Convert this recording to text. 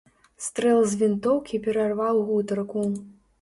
Стрэл з вінтоўкі перарваў гутарку.